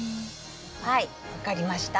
はい分かりました。